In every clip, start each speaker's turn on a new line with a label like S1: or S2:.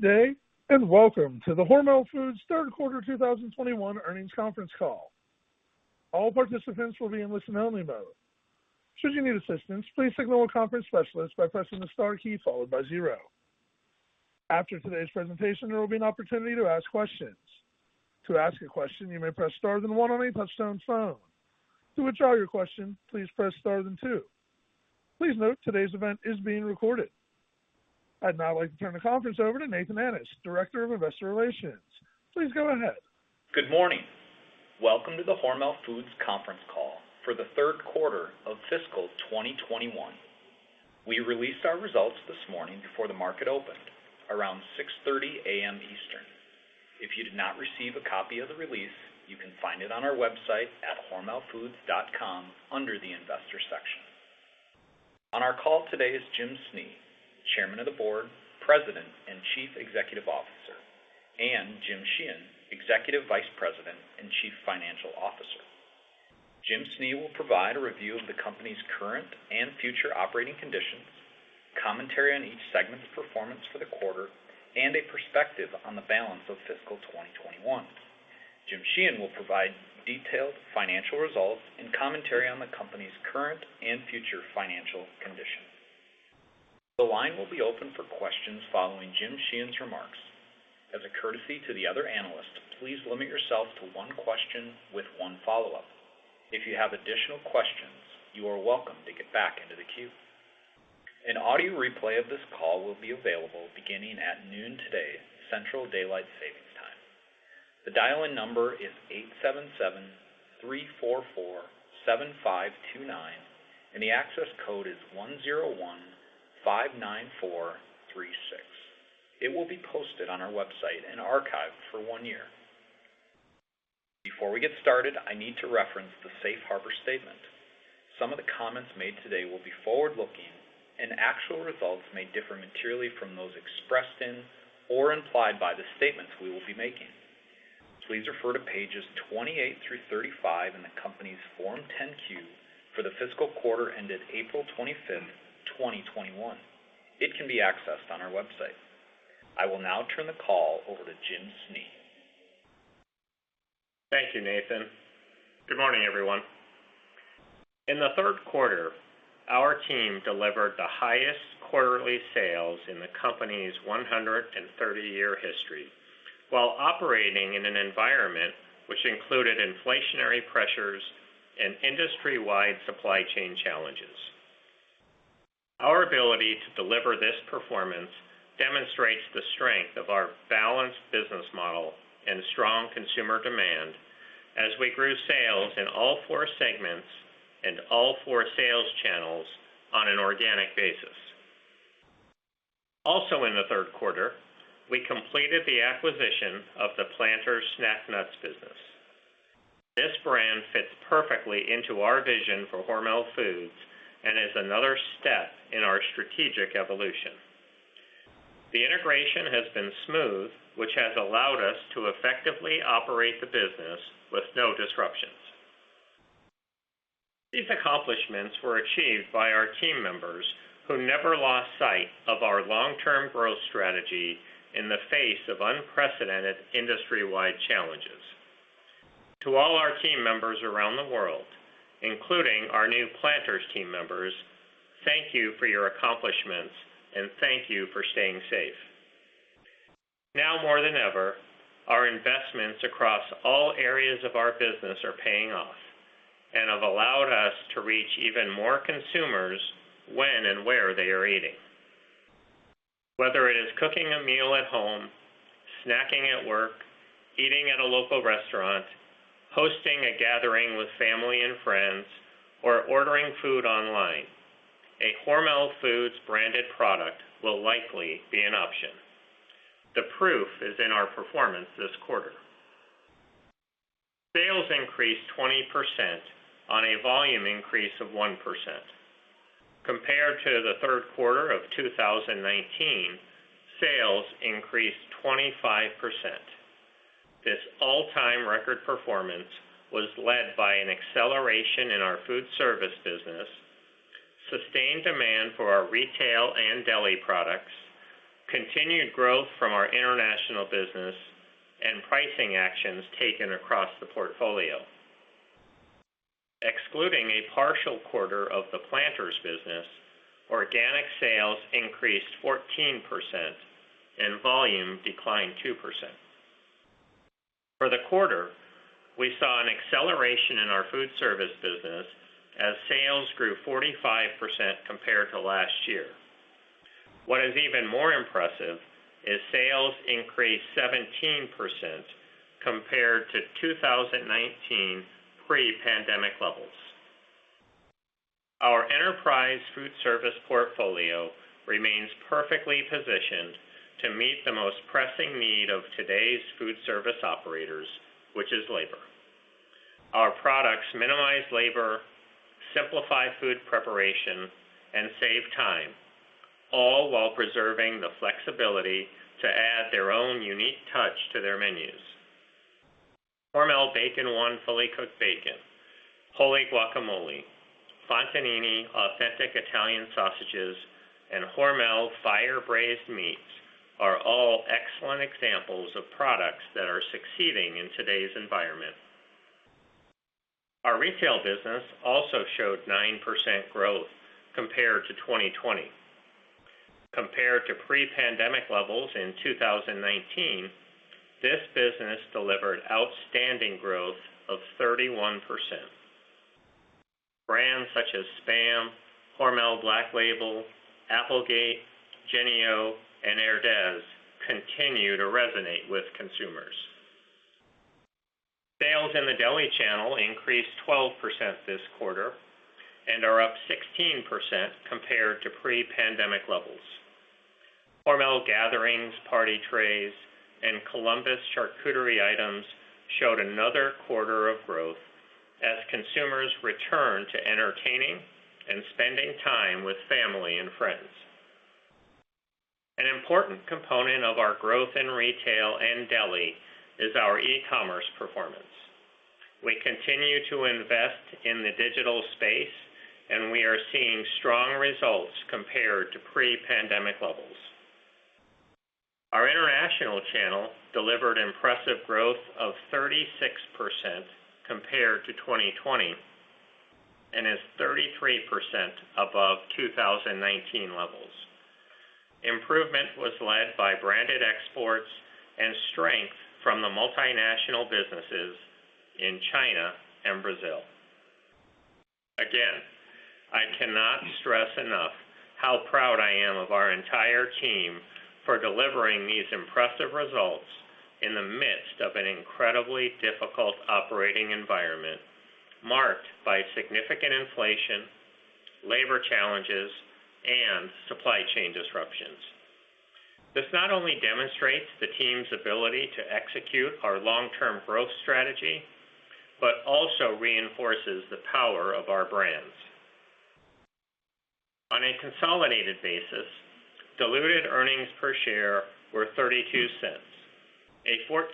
S1: Good day, and welcome to the Hormel Foods third quarter 2021 earnings conference call. All participants will be in listen only mode. Should you need assistance, please signal a conference specialist by pressing the star key followed by zero. After today's presentation, there will be an opportunity to ask questions. To ask a question, you may press star then one on any touchtone phone. To withdraw your question, please press star then two. Please note, today's event is being recorded. I'd now like to turn the conference over to Nathan Annis, Director of Investor Relations. Please go ahead.
S2: Good morning. Welcome to the Hormel Foods conference call for the third quarter of fiscal 2021. We released our results this morning before the market opened, around 6:30 A.M. Eastern. If you did not receive a copy of the release, you can find it on our website at hormelfoods.com under the investor section. On our call today is Jim Snee, Chairman of the Board, President and Chief Executive Officer, and Jim Sheehan, Executive Vice President and Chief Financial Officer. Jim Snee will provide a review of the company's current and future operating conditions, commentary on each segment's performance for the quarter, and a perspective on the balance of fiscal 2021. Jim Sheehan will provide detailed financial results and commentary on the company's current and future financial conditions. The line will be open for questions following Jim Sheehan's remarks. As a courtesy to the other analysts, please limit yourself to one question with one follow-up. If you have additional questions, you are welcome to get back into the queue. An audio replay of this call will be available beginning at 12:00 P.M. today, Central Daylight Savings Time. The dial-in number is eight seven seven three four four seven five two nine, and the access code is one zero one five nine four three six. It will be posted on our website and archived for one year. Before we get started, I need to reference the safe harbor statement. Some of the comments made today will be forward-looking, and actual results may differ materially from those expressed in or implied by the statements we will be making. Please refer to pages 28 through 35 in the company's Form 10-Q for the fiscal quarter ended April 25th, 2021. It can be accessed on our website. I will now turn the call over to Jim Snee.
S3: Thank you, Nathan. Good morning, everyone. In the third quarter, our team delivered the highest quarterly sales in the company's 130-year history while operating in an environment which included inflationary pressures and industry-wide supply chain challenges. Our ability to deliver this performance demonstrates the strength of our balanced business model and strong consumer demand as we grew sales in all four segments and all four sales channels on an organic basis. Also in the third quarter, we completed the acquisition of the Planters snack nuts business. This brand fits perfectly into our vision for Hormel Foods and is another step in our strategic evolution. The integration has been smooth, which has allowed us to effectively operate the business with no disruptions. These accomplishments were achieved by our team members who never lost sight of our long-term growth strategy in the face of unprecedented industry-wide challenges. To all our team members around the world, including our new Planters team members, thank you for your accomplishments, and thank you for staying safe. Now more than ever, our investments across all areas of our business are paying off and have allowed us to reach even more consumers when and where they are eating. Whether it is cooking a meal at home, snacking at work, eating at a local restaurant, hosting a gathering with family and friends, or ordering food online, a Hormel Foods branded product will likely be an option. The proof is in our performance this quarter. Sales increased 20% on a volume increase of 1%. Compared to the third quarter of 2019, sales increased 25%. This all-time record performance was led by an acceleration in our food service business, sustained demand for our retail and deli products, continued growth from our international business, and pricing actions taken across the portfolio. Excluding a partial quarter of the Planters business, organic sales increased 14% and volume declined 2%. For the quarter, we saw an acceleration in our food service business as sales grew 45% compared to last year. What is even more impressive is sales increased 17% compared to 2019 pre-pandemic levels. Our enterprise food service portfolio remains perfectly positioned to meet the most pressing need of today's food service operators, which is labor. Our products minimize labor, simplify food preparation, and save time, all while preserving the flexibility to add their own unique touch to their menus. Hormel Bacon 1 Fully Cooked Bacon, Wholly Guacamole, Fontanini Authentic Italian Sausages, and Hormel Fire Braised Meats are all excellent examples of products that are succeeding in today's environment. Our retail business also showed 9% growth compared to 2020. Compared to pre-pandemic levels in 2019, this business delivered outstanding growth of 31%. Brands such as SPAM, Hormel Black Label, Applegate, Jennie-O, and Herdez continue to resonate with consumers. Sales in the deli channel increased 12% this quarter and are up 16% compared to pre-pandemic levels. Hormel Gatherings party trays and Columbus charcuterie items showed another quarter of growth as consumers return to entertaining and spending time with family and friends. An important component of our growth in retail and deli is our e-commerce performance. We continue to invest in the digital space, and we are seeing strong results compared to pre-pandemic levels. Our international channel delivered impressive growth of 36% compared to 2020 and is 33% above 2019 levels. Improvement was led by branded exports and strength from the multinational businesses in China and Brazil. Again, I cannot stress enough how proud I am of our entire team for delivering these impressive results in the midst of an incredibly difficult operating environment marked by significant inflation, labor challenges, and supply chain disruptions. This not only demonstrates the team's ability to execute our long-term growth strategy, but also reinforces the power of our brands. On a consolidated basis, diluted earnings per share were $0.32, a 14%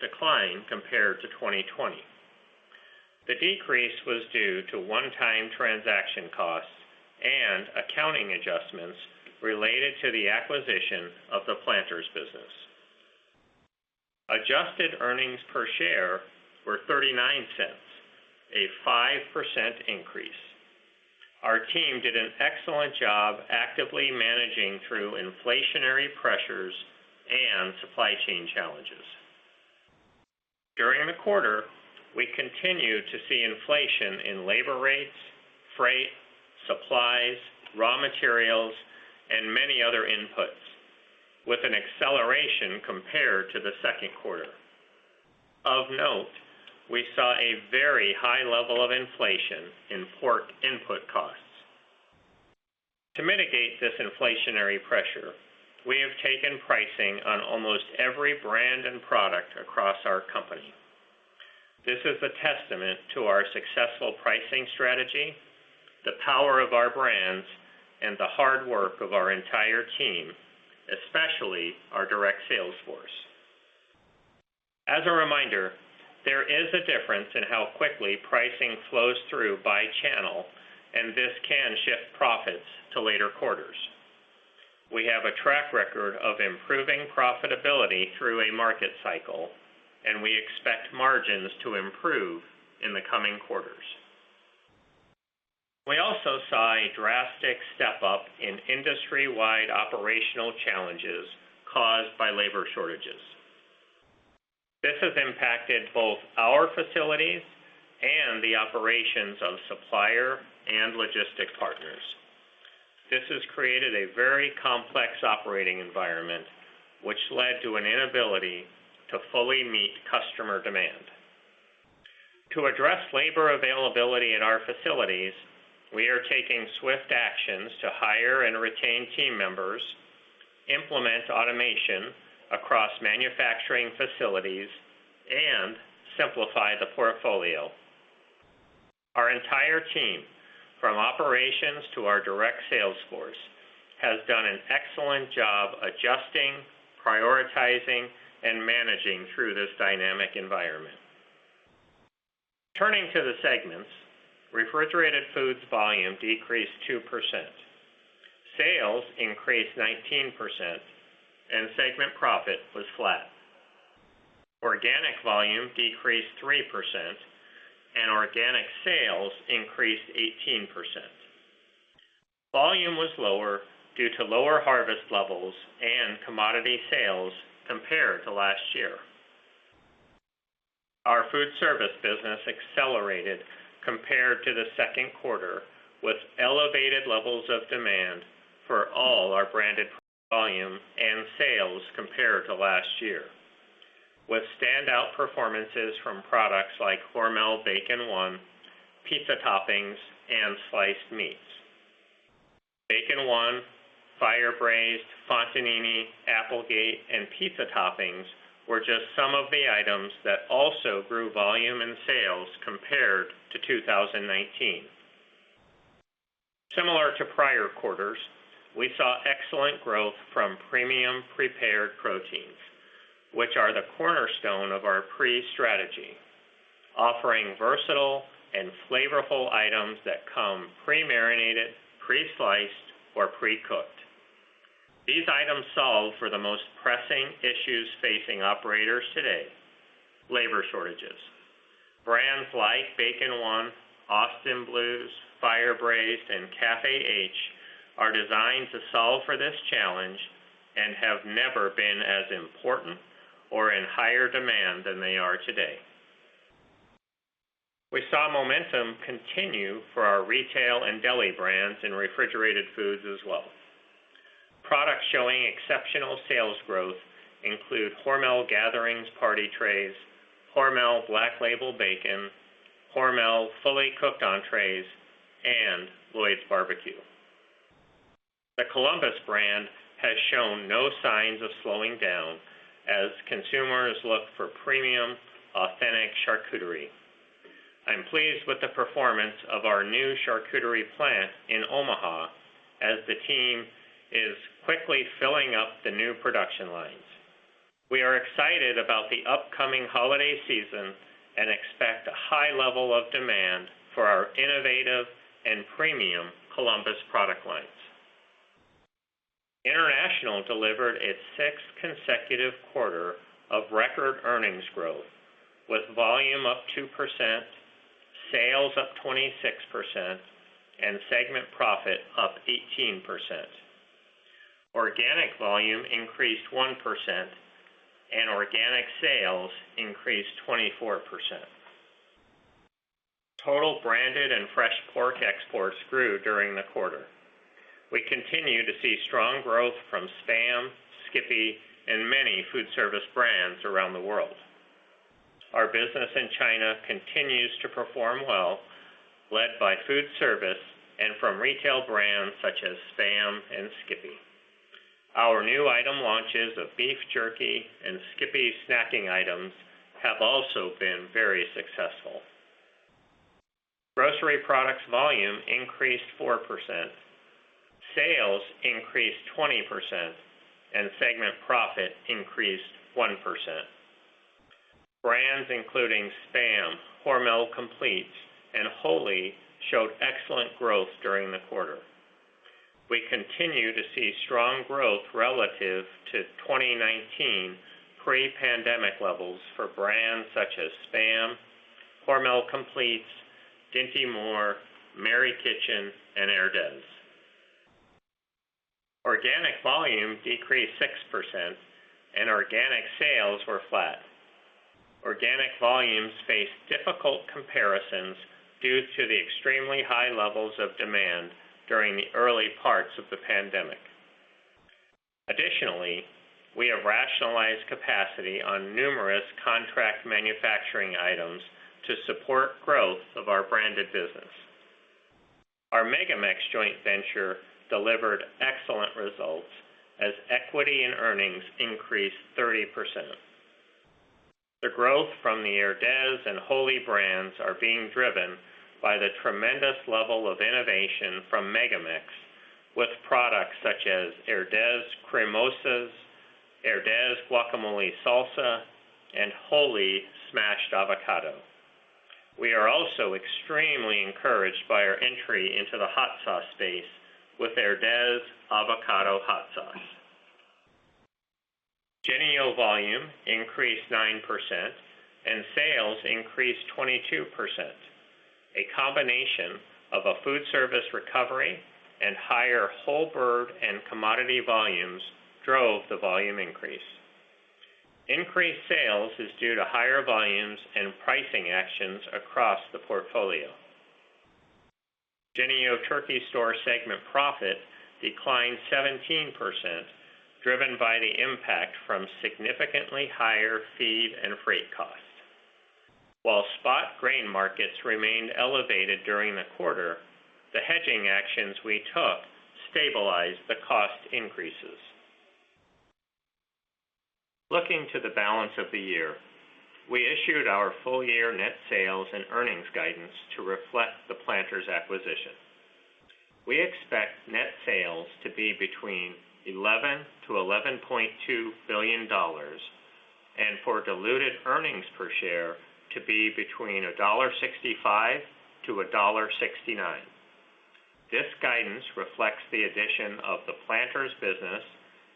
S3: decline compared to 2020. The decrease was due to one-time transaction costs and accounting adjustments related to the acquisition of the Planters business. Adjusted earnings per share were $0.39, a 5% increase. Our team did an excellent job actively managing through inflationary pressures and supply chain challenges. During the quarter, we continued to see inflation in labor rates, freight, supplies, raw materials, and many other inputs with an acceleration compared to the second quarter. Of note, we saw a very high level of inflation in pork input costs. To mitigate this inflationary pressure, we have taken pricing on almost every brand and product across our company. This is a testament to our successful pricing strategy, the power of our brands, and the hard work of our entire team, especially our direct sales force. As a reminder, there is a difference in how quickly pricing flows through by channel, and this can shift profits to later quarters. We have a track record of improving profitability through a market cycle, and we expect margins to improve in the coming quarters. We also saw a drastic step up in industry-wide operational challenges caused by labor shortages. This has impacted both our facilities and the operations of supplier and logistic partners. This has created a very complex operating environment, which led to an inability to fully meet customer demand. To address labor availability in our facilities, we are taking swift actions to hire and retain team members, implement automation across manufacturing facilities, and simplify the portfolio. Our entire team, from operations to our direct sales force, has done an excellent job adjusting, prioritizing, and managing through this dynamic environment. Turning to the segments, Refrigerated Foods volume decreased 2%. Sales increased 19% and segment profit was flat. Organic volume decreased 3% and organic sales increased 18%. Volume was lower due to lower harvest levels and commodity sales compared to last year. Our food service business accelerated compared to the second quarter with elevated levels of demand for all our branded volume and sales compared to last year, with standout performances from products like Hormel Bacon 1, pizza toppings, and sliced meats. Bacon 1, Fire Braised, Fontanini, Applegate, and pizza toppings were just some of the items that also grew volume and sales compared to 2019. Similar to prior quarters, we saw excellent growth from premium prepared proteins, which are the cornerstone of our pre-strategy, offering versatile and flavorful items that come pre-marinated, pre-sliced, or pre-cooked. These items solve for the most pressing issues facing operators today, labor shortages. Brands like Bacon 1, Austin Blues, Fire Braised, and CAFÉ H are designed to solve for this challenge and have never been as important or in higher demand than they are today. We saw momentum continue for our retail and deli brands in refrigerated foods as well. Products showing exceptional sales growth include Hormel Gatherings party trays, Hormel Black Label bacon, Hormel fully cooked entrees, and Lloyd's barbeque. The Columbus brand has shown no signs of slowing down as consumers look for premium, authentic charcuterie. I'm pleased with the performance of our new charcuterie plant in Omaha as the team is quickly filling up the new production lines. We are excited about the upcoming holiday season and expect a high level of demand for our innovative and premium Columbus product lines. International delivered its sixth consecutive quarter of record earnings growth, with volume up 2%, sales up 26%, and segment profit up 18%. Organic volume increased 1%, and organic sales increased 24%. Total branded and fresh pork exports grew during the quarter. We continue to see strong growth from SPAM, SKIPPY, and many foodservice brands around the world. Our business in China continues to perform well, led by foodservice and from retail brands such as SPAM and SKIPPY. Our new item launches of beef jerky and SKIPPY snacking items have also been very successful. Grocery products volume increased 4%. Sales increased 20%, and segment profit increased 1%. Brands including SPAM, Hormel Compleats, and WHOLLY showed excellent growth during the quarter. We continue to see strong growth relative to 2019 pre-pandemic levels for brands such as SPAM, Hormel Compleats, Dinty Moore, Mary Kitchen, and Herdez. Organic volume decreased 6%, and organic sales were flat. Organic volumes faced difficult comparisons due to the extremely high levels of demand during the early parts of the pandemic. Additionally, we have rationalized capacity on numerous contract manufacturing items to support growth of our branded business. Our MegaMex joint venture delivered excellent results as equity and earnings increased 30%. The growth from the Herdez and WHOLLY brands are being driven by the tremendous level of innovation from MegaMex with products such as Herdez Cremosas, Herdez Guacamole Salsa, and WHOLLY Smashed Avocado. We are also extremely encouraged by our entry into the hot sauce space with Herdez Avocado Hot Sauce. Jennie-O volume increased 9%, and sales increased 22%. A combination of a foodservice recovery and higher whole bird and commodity volumes drove the volume increase. Increased sales is due to higher volumes and pricing actions across the portfolio. Jennie-O Turkey Store segment profit declined 17%, driven by the impact from significantly higher feed and freight costs. While spot grain markets remained elevated during the quarter, the hedging actions we took stabilized the cost increases. Looking to the balance of the year, we issued our full year net sales and earnings guidance to reflect the Planters acquisition. We expect net sales to be between $11 billion-$11.2 billion and for diluted earnings per share to be between $1.65-$1.69. This guidance reflects the addition of the Planters business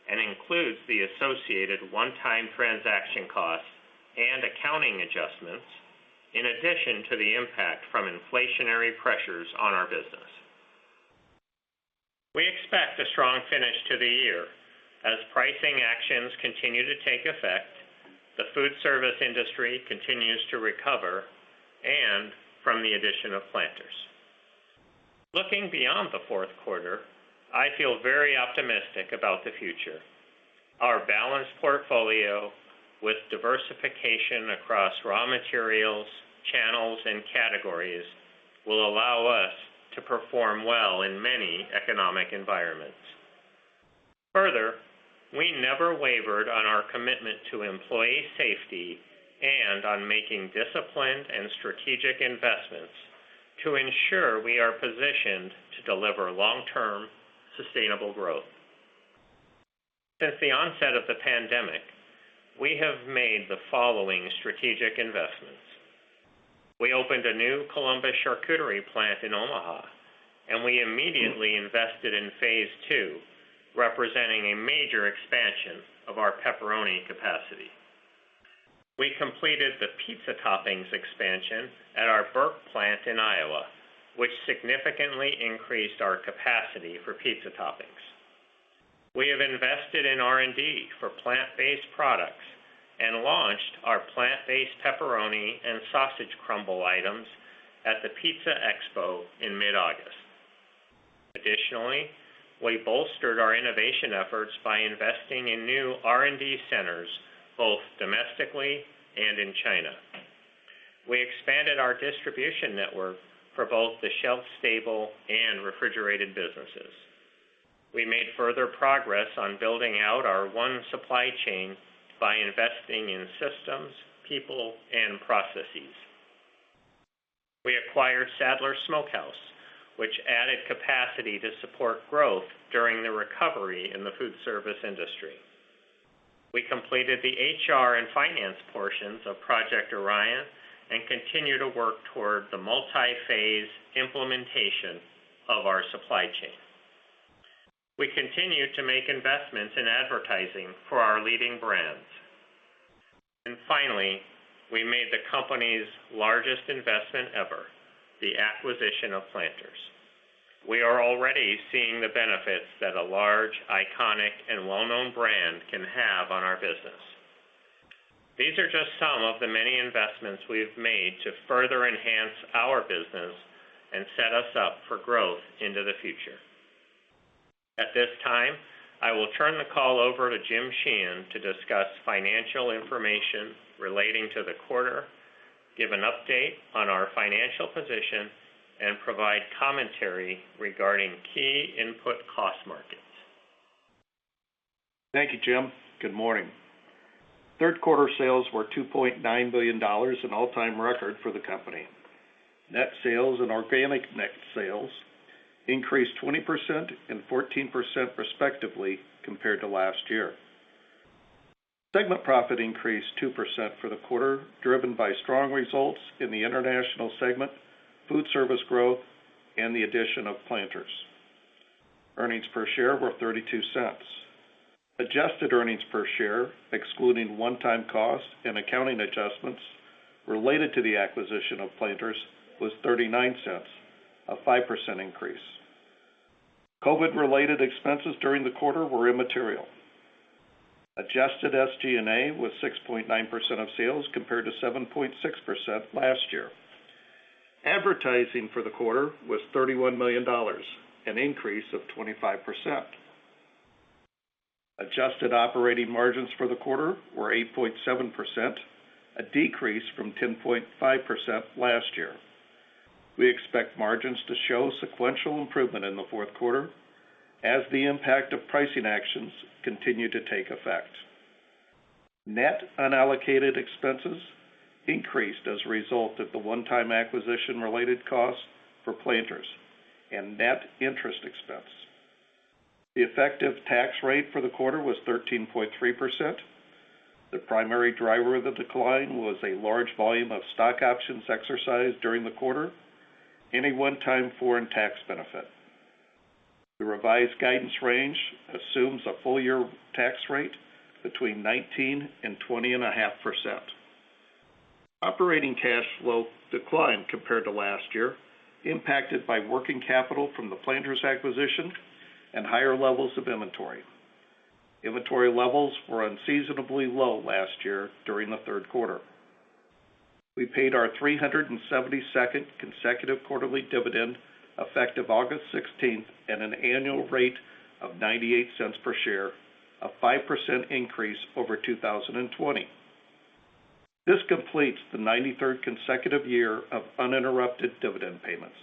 S3: and includes the associated one-time transaction costs and accounting adjustments, in addition to the impact from inflationary pressures on our business. We expect a strong finish to the year as pricing actions continue to take effect, the foodservice industry continues to recover, and from the addition of Planters. Looking beyond the fourth quarter, I feel very optimistic about the future. Our balanced portfolio with diversification across raw materials, channels, and categories will allow us to perform well in many economic environments. We never wavered on our commitment to employee safety and on making disciplined and strategic investments to ensure we are positioned to deliver long-term sustainable growth. Since the onset of the pandemic, we have made the following strategic investments. We opened a new Columbus charcuterie plant in Omaha, and we immediately invested in phase two, representing a major expansion of our pepperoni capacity. We completed the pizza toppings expansion at our Burke plant in Iowa, which significantly increased our capacity for pizza toppings. We have invested in R&D for plant-based products and launched our plant-based pepperoni and sausage crumble items at the Pizza Expo in mid-August. Additionally, we bolstered our innovation efforts by investing in new R&D centers, both domestically and in China. We expanded our distribution network for both the shelf-stable and refrigerated businesses. We made further progress on building out our One Supply Chain by investing in systems, people, and processes. We acquired Sadler's Smokehouse, which added capacity to support growth during the recovery in the foodservice industry. We completed the HR and finance portions of Project Orion and continue to work toward the multi-phase implementation of our supply chain. We continue to make investments in advertising for our leading brands. Finally, we made the company's largest investment ever, the acquisition of Planters. We are already seeing the benefits that a large, iconic, and well-known brand can have on our business. These are just some of the many investments we have made to further enhance our business and set us up for growth into the future. At this time, I will turn the call over to Jim Sheehan to discuss financial information relating to the quarter, give an update on our financial position, and provide commentary regarding key input cost markets.
S4: Thank you, Jim. Good morning. Third quarter sales were $2.9 billion, an all-time record for the company. Net sales and organic net sales increased 20% and 14% respectively compared to last year. Segment profit increased 2% for the quarter, driven by strong results in the international segment, food service growth, and the addition of Planters. Earnings per share were $0.32. Adjusted earnings per share, excluding one-time costs and accounting adjustments related to the acquisition of Planters, was $0.39, a 5% increase. COVID-related expenses during the quarter were immaterial. Adjusted SG&A was 6.9% of sales, compared to 7.6% last year. Advertising for the quarter was $31 million, an increase of 25%. Adjusted operating margins for the quarter were 8.7%, a decrease from 10.5% last year. We expect margins to show sequential improvement in the fourth quarter as the impact of pricing actions continue to take effect. Net unallocated expenses increased as a result of the one-time acquisition-related costs for Planters and net interest expense. The effective tax rate for the quarter was 13.3%. The primary driver of the decline was a large volume of stock options exercised during the quarter and a one-time foreign tax benefit. The revised guidance range assumes a full-year tax rate between 19% and 20.5%. Operating cash flow declined compared to last year, impacted by working capital from the Planters acquisition and higher levels of inventory. Inventory levels were unseasonably low last year during the third quarter. We paid our 372nd consecutive quarterly dividend effective August 16th at an annual rate of $0.98 per share, a 5% increase over 2020. This completes the 93rd consecutive year of uninterrupted dividend payments.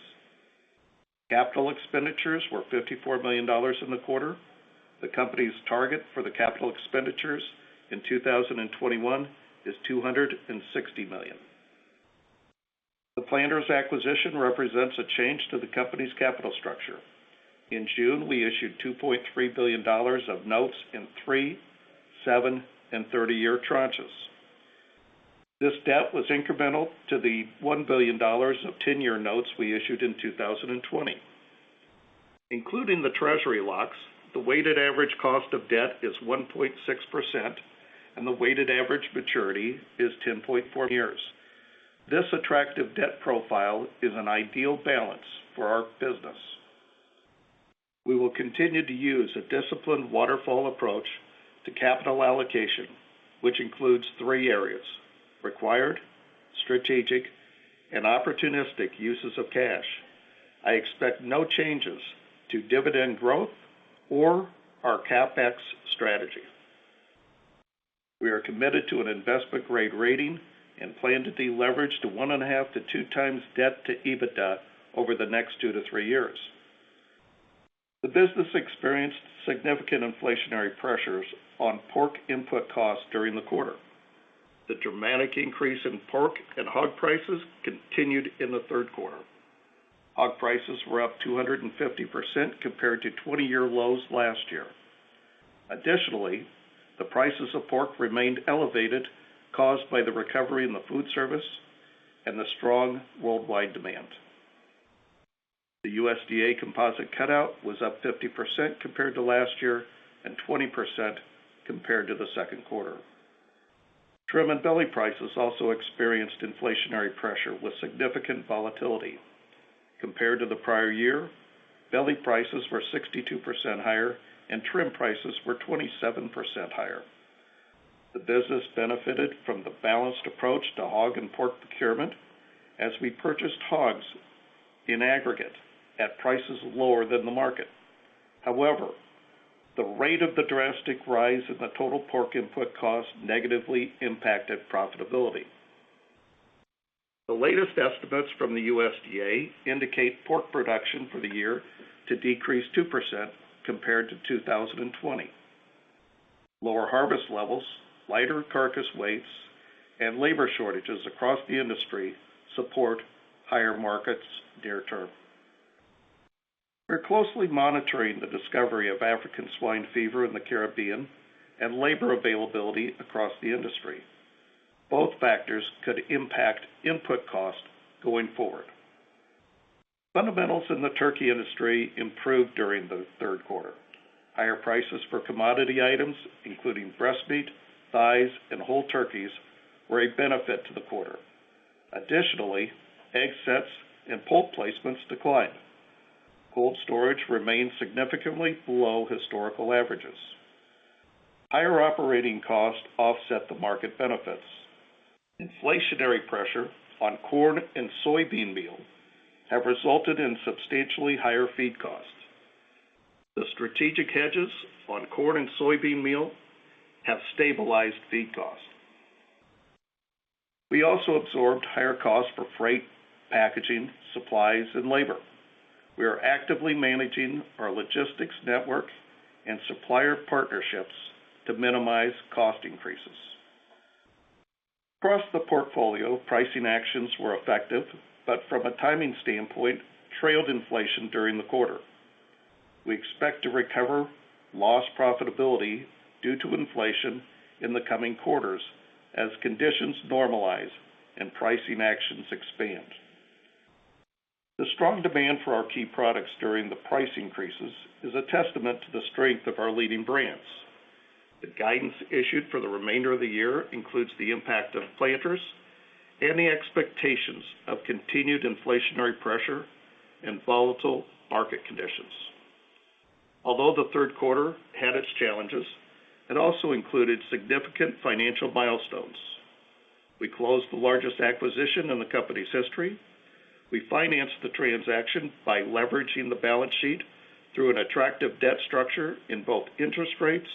S4: CapEx were $54 million in the quarter. The company's target for the CapEx in 2021 is $260 million. The Planters acquisition represents a change to the company's capital structure. In June, we issued $2.3 billion of notes in three, seven, and 30-year tranches. This debt was incremental to the $1 billion of 10-year notes we issued in 2020. Including the treasury locks, the weighted average cost of debt is 1.6%, and the weighted average maturity is 10.4 years. This attractive debt profile is an ideal balance for our business. We will continue to use a disciplined waterfall approach to capital allocation, which includes three areas, required, strategic, and opportunistic uses of cash. I expect no changes to dividend growth or our CapEx strategy. We are committed to an investment-grade rating and plan to deleverage to 1.5x-2x debt to EBITDA over the next two to three years. The business experienced significant inflationary pressures on pork input costs during the quarter. The dramatic increase in pork and hog prices continued in the third quarter. Hog prices were up 250% compared to 20-year lows last year. The prices of pork remained elevated caused by the recovery in the foodservice and the strong worldwide demand. The USDA composite cutout was up 50% compared to last year, and 20% compared to the second quarter. Trim and belly prices also experienced inflationary pressure with significant volatility. Compared to the prior year, belly prices were 62% higher and trim prices were 27% higher. The business benefited from the balanced approach to hog and pork procurement as we purchased hogs in aggregate at prices lower than the market. The rate of the drastic rise in the total pork input cost negatively impacted profitability. The latest estimates from the USDA indicate pork production for the year to decrease 2% compared to 2020. Lower harvest levels, lighter carcass weights, and labor shortages across the industry support higher markets near-term. We're closely monitoring the discovery of African swine fever in the Caribbean and labor availability across the industry. Both factors could impact input cost going forward. Fundamentals in the turkey industry improved during the third quarter. Higher prices for commodity items, including breast meat, thighs, and whole turkeys, were a benefit to the quarter. Additionally, egg sets and poult placements declined. Cold storage remains significantly below historical averages. Higher operating costs offset the market benefits. Inflationary pressure on corn and soybean meal have resulted in substantially higher feed costs. The strategic hedges on corn and soybean meal have stabilized feed costs. We also absorbed higher costs for freight, packaging, supplies, and labor. We are actively managing our logistics network and supplier partnerships to minimize cost increases. Across the portfolio, pricing actions were effective, but from a timing standpoint, trailed inflation during the quarter. We expect to recover lost profitability due to inflation in the coming quarters as conditions normalize and pricing actions expand. The strong demand for our key products during the price increases is a testament to the strength of our leading brands. The guidance issued for the remainder of the year includes the impact of Planters and the expectations of continued inflationary pressure and volatile market conditions. Although the third quarter had its challenges, it also included significant financial milestones. We closed the largest acquisition in the company's history. We financed the transaction by leveraging the balance sheet through an attractive debt structure in both interest rates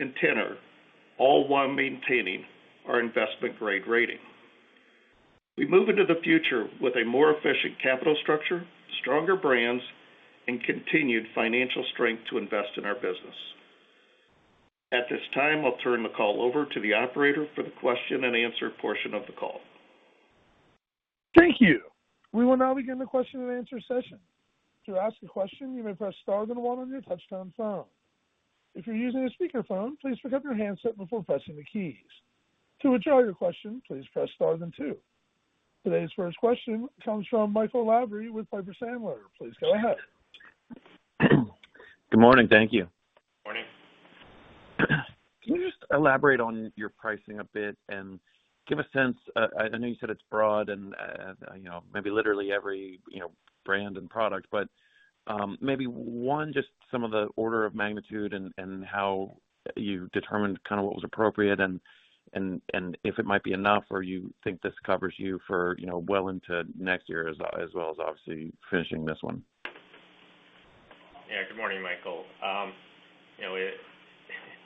S4: and tenor, all while maintaining our investment-grade rating. We move into the future with a more efficient capital structure, stronger brands, and continued financial strength to invest in our business. At this time, I'll turn the call over to the operator for the question and answer portion of the call.
S1: Thank you. We will now begin the question and answer session. Today's first question comes from Michael Lavery with Piper Sandler. Please go ahead.
S5: Good morning. Thank you.
S3: Morning.
S5: Can you just elaborate on your pricing a bit and give a sense, I know you said it's broad and maybe literally every brand and product, but maybe, one, just some of the order of magnitude and how you determined what was appropriate and if it might be enough, or you think this covers you for well into next year as well as obviously finishing this one?
S3: Yeah. Good morning, Michael.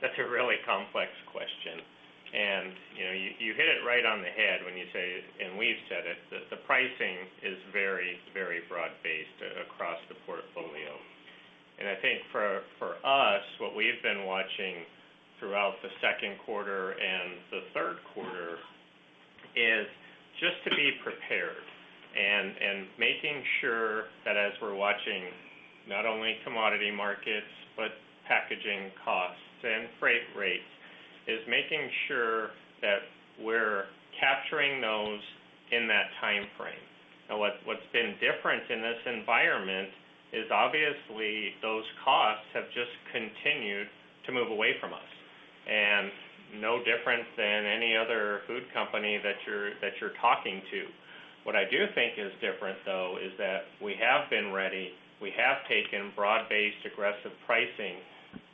S3: That's a really complex question, and you hit it right on the head when you say, and we've said it, that the pricing is very broad-based across the portfolio. I think for us, what we've been watching throughout the second quarter and the third quarter is just to be prepared and making sure that as we're watching not only commodity markets, but packaging costs and freight rates, is making sure that we're capturing those in that timeframe. What's been different in this environment is obviously those costs have just continued to move away from us, and no different than any other food company that you're talking to. What I do think is different, though, is that we have been ready. We have taken broad-based, aggressive pricing,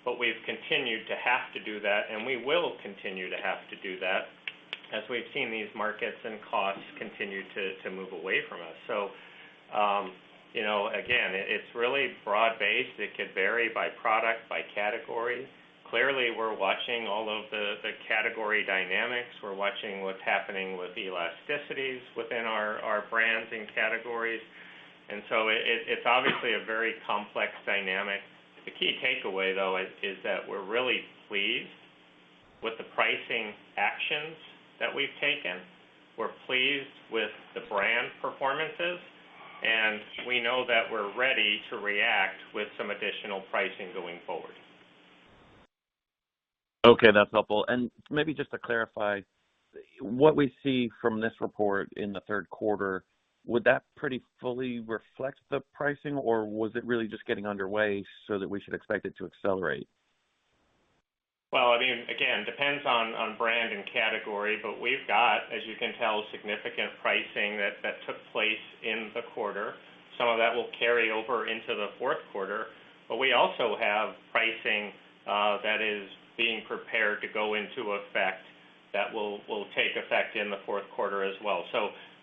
S3: but we've continued to have to do that, and we will continue to have to do that. As we've seen these markets and costs continue to move away from us. Again, it's really broad-based. It could vary by product, by category. Clearly, we're watching all of the category dynamics. We're watching what's happening with elasticities within our brands and categories. It's obviously a very complex dynamic. The key takeaway, though, is that we're really pleased with the pricing actions that we've taken. We're pleased with the brand performances, and we know that we're ready to react with some additional pricing going forward.
S5: Okay, that's helpful. Maybe just to clarify, what we see from this report in the third quarter, would that pretty fully reflect the pricing, or was it really just getting underway so that we should expect it to accelerate?
S3: Again, depends on brand and category, we've got, as you can tell, significant pricing that took place in the quarter. Some of that will carry over into the fourth quarter, we also have pricing that is being prepared to go into effect that will take effect in the fourth quarter as well.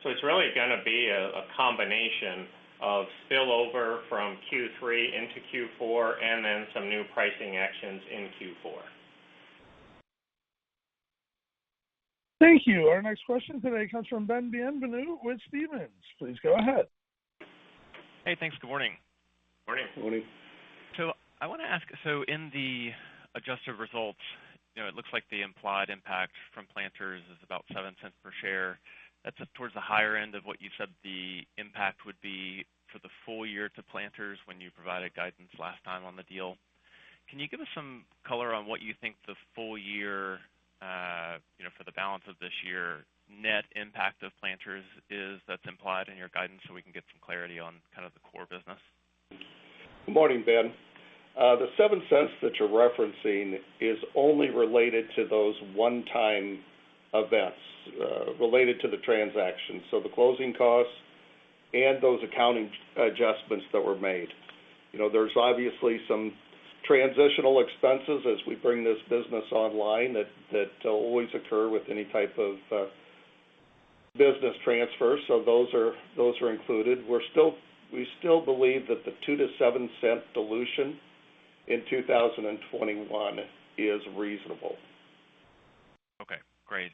S3: It's really going to be a combination of spillover from Q3 into Q4 and then some new pricing actions in Q4.
S1: Thank you. Our next question today comes from Ben Bienvenu with Stephens. Please go ahead.
S6: Hey, thanks. Good morning.
S3: Morning.
S4: Morning.
S6: I want to ask, in the adjusted results, it looks like the implied impact from Planters is about $0.07 per share. That's towards the higher end of what you said the impact would be for the full year to Planters when you provided guidance last time on the deal. Can you give us some color on what you think the full year, for the balance of this year, net impact of Planters is that's implied in your guidance so we can get some clarity on kind of the core business?
S4: Good morning, Ben. The $0.07 that you're referencing is only related to those one-time events related to the transaction. The closing costs and those accounting adjustments that were made. There's obviously some transitional expenses as we bring this business online that always occur with any type of business transfer, so those are included. We still believe that the $0.02-$0.07 dilution in 2021 is reasonable.
S6: Okay, great.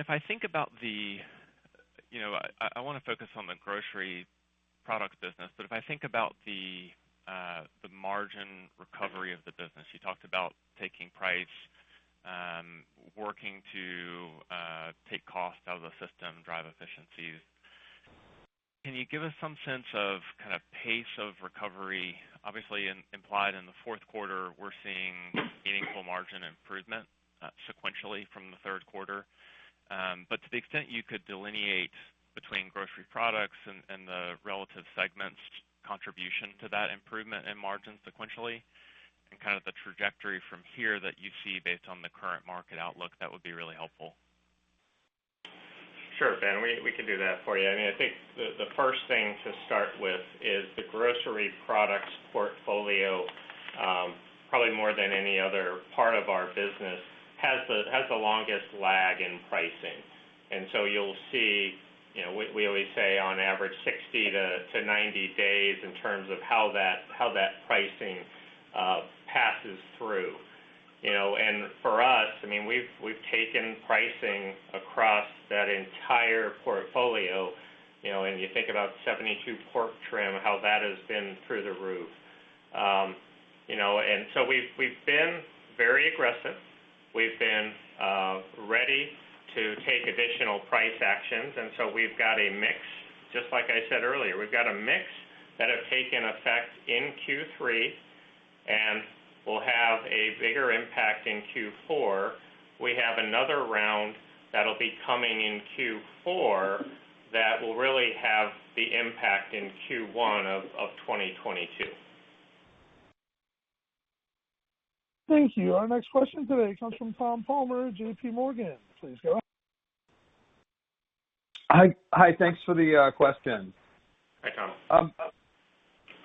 S6: If I think about the I want to focus on the Grocery Products business, but if I think about the margin recovery of the business, you talked about taking price, working to take cost out of the system, drive efficiencies. Can you give us some sense of kind of pace of recovery? Obviously, implied in the fourth quarter, we're seeing meaningful margin improvement sequentially from the third quarter. To the extent you could delineate between Grocery Products and the relative segment's contribution to that improvement in margin sequentially and kind of the trajectory from here that you see based on the current market outlook, that would be really helpful.
S3: Sure, Ben, we can do that for you. I think the first thing to start with is the grocery products portfolio, probably more than any other part of our business, has the longest lag in pricing. You'll see, we always say on average 60 to 90 days in terms of how that pricing passes through. For us, we've taken pricing across that entire portfolio, and you think about 72 pork trim, how that has been through the roof. We've been very aggressive. We've been ready to take additional price actions, we've got a mix, just like I said earlier, we've got a mix that have taken effect in Q3 and will have a bigger impact in Q4. We have another round that'll be coming in Q4 that will really have the impact in Q1 of 2022.
S1: Thank you. Our next question today comes from Tom Palmer, JPMorgan. Please go ahead.
S7: Hi. Thanks for the question.
S3: Hi, Tom.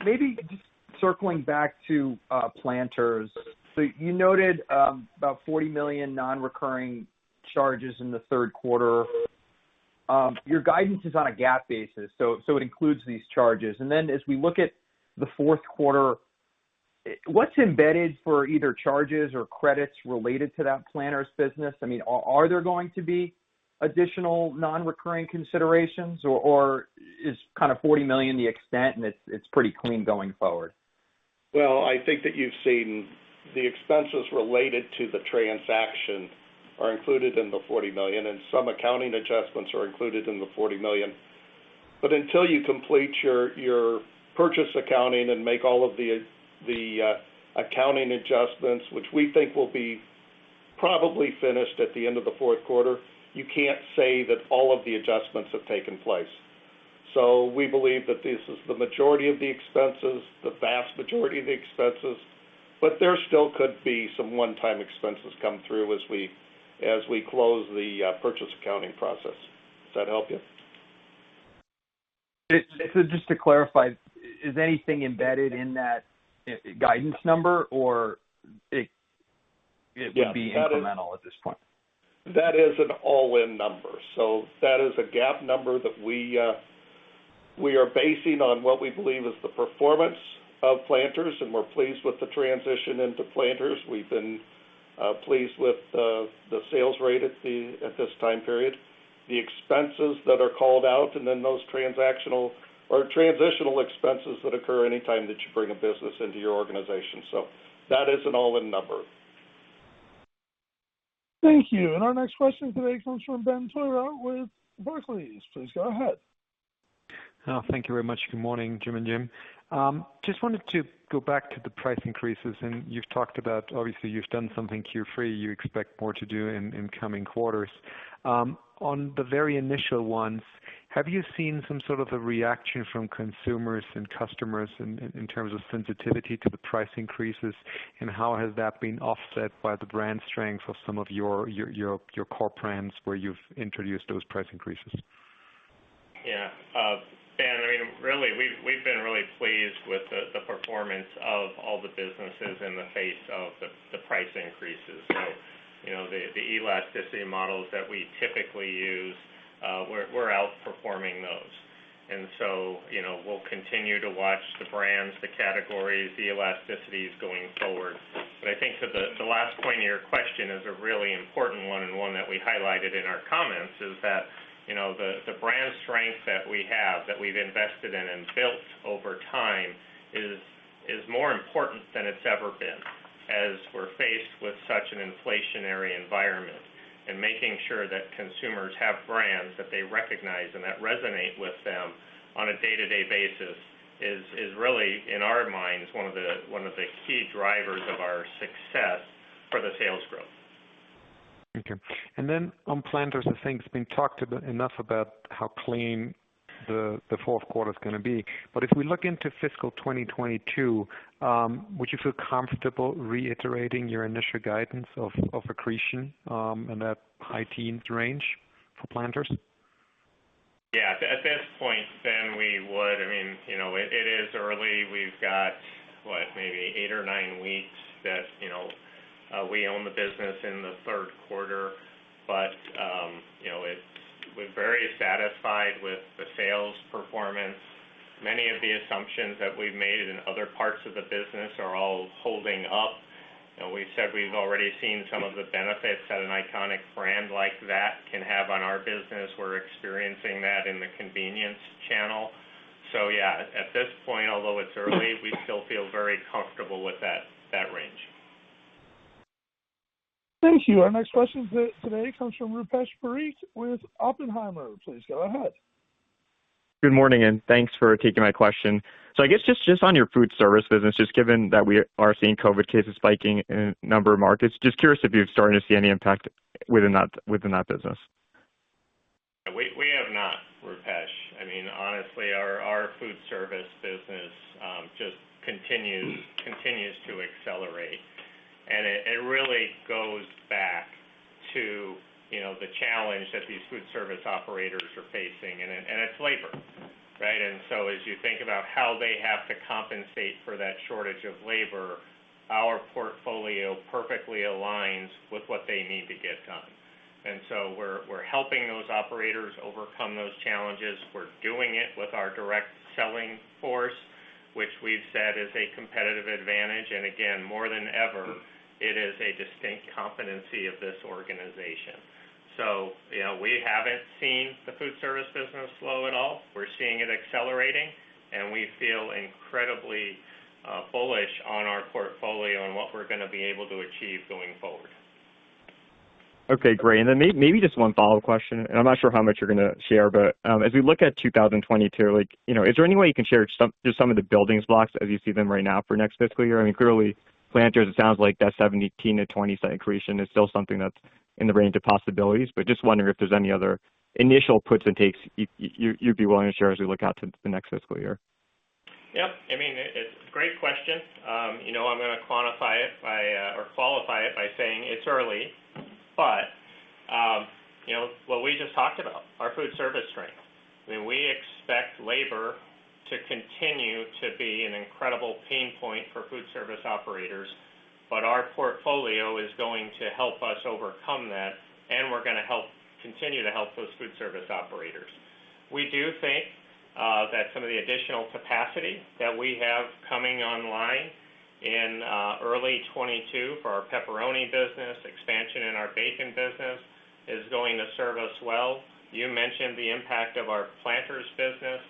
S7: Maybe just circling back to Planters. You noted about $40 million non-recurring charges in the third quarter. Your guidance is on a GAAP basis, so it includes these charges. As we look at the fourth quarter, what's embedded for either charges or credits related to that Planters business? Are there going to be additional non-recurring considerations, or is kind of $40 million the extent and it's pretty clean going forward?
S4: Well, I think that you've seen the expenses related to the transaction are included in the $40 million. Some accounting adjustments are included in the $40 million. Until you complete your purchase accounting and make all of the accounting adjustments, which we think will be probably finished at the end of the fourth quarter, you can't say that all of the adjustments have taken place. We believe that this is the majority of the expenses, the vast majority of the expenses. There still could be some one-time expenses come through as we close the purchase accounting process. Does that help you?
S7: This is just to clarify, is anything embedded in that guidance number or it would be incremental at this point?
S4: That is an all-in number. That is a GAAP number that we are basing on what we believe is the performance of Planters, and we're pleased with the transition into Planters. We've been pleased with the sales rate at this time period. The expenses that are called out and then those transactional or transitional expenses that occur anytime that you bring a business into your organization. That is an all-in number.
S1: Thank you. Our next question today comes from Ben Theurer with Barclays. Please go ahead.
S8: Thank you very much. Good morning, Jim and Jim. Just wanted to go back to the price increases, and you've talked about, obviously, you've done something Q3, you expect more to do in coming quarters. On the very initial ones, have you seen some sort of a reaction from consumers and customers in terms of sensitivity to the price increases? How has that been offset by the brand strength of some of your core brands where you've introduced those price increases?
S3: Yeah. Ben, really, we've been pleased with the performance of all the businesses in the face of the price increases. The elasticity models that we typically use, we're outperforming those. We'll continue to watch the brands, the categories, the elasticities going forward. I think that the last point of your question is a really important one and one that we highlighted in our comments is that, the brand strength that we have, that we've invested in and built over time is more important than it's ever been as we're faced with such an inflationary environment. Making sure that consumers have brands that they recognize and that resonate with them on a day-to-day basis is really, in our minds, one of the key drivers of our success for the sales growth.
S8: Okay. On Planters, I think it's been talked enough about how clean the fourth quarter is going to be. If we look into fiscal 2022, would you feel comfortable reiterating your initial guidance of accretion, in that high teens range for Planters?
S3: Yeah. At this point, Ben, we would. It is early. We've got what? Maybe eight or nine weeks that we own the business in the third quarter. We're very satisfied with the sales performance. Many of the assumptions that we've made in other parts of the business are all holding up. We said we've already seen some of the benefits that an iconic brand like that can have on our business. We're experiencing that in the convenience channel. Yeah, at this point, although it's early, we still feel very comfortable with that range.
S1: Thank you. Our next question today comes from Rupesh Parikh with Oppenheimer. Please go ahead.
S9: Good morning, thanks for taking my question. I guess just on your food service business, just given that we are seeing COVID cases spiking in a number of markets, just curious if you're starting to see any impact within that business?
S3: We have not, Rupesh. Honestly, our food service business just continues to accelerate. It really goes back to the challenge that these food service operators are facing, and it's labor, right? As you think about how they have to compensate for that shortage of labor, our portfolio perfectly aligns with what they need to get done. We're helping those operators overcome those challenges. We're doing it with our direct selling force, which we've said is a competitive advantage. Again, more than ever, it is a distinct competency of this organization. We haven't seen the food service business slow at all. We're seeing it accelerating, and we feel incredibly bullish on our portfolio and what we're going to be able to achieve going forward.
S9: Okay, great. Maybe just one follow-up question, I'm not sure how much you're going to share, as we look at 2022, is there any way you can share just some of the building blocks as you see them right now for next fiscal year? Clearly Planters, it sounds like that 17%-20% accretion is still something that's in the range of possibilities. Just wondering if there's any other initial puts and takes you'd be willing to share as we look out to the next fiscal year.
S3: Yep. It's a great question. I'm going to qualify it by saying it's early, but what we just talked about, our food service strength. We expect labor to continue to be an incredible pain point for food service operators, but our portfolio is going to help us overcome that, and we're going to continue to help those food service operators. We do think that some of the additional capacity that we have coming online in early 2022 for our pepperoni business, expansion in our bacon business, is going to serve us well. You mentioned the impact of our Planters business,